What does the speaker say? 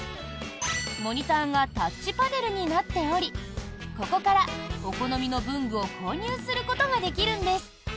モニターがタッチパネルになっておりここからお好みの文具を購入することができるんです。